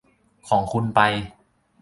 ของคุณไป